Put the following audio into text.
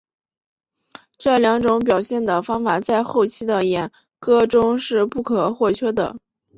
这两种表现的方法在后期的演歌中是不可或缺的。